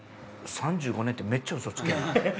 ３５年ってめっちゃウソつきや。